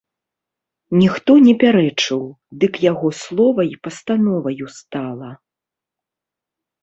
Ніхто не пярэчыў, дык яго слова й пастановаю стала.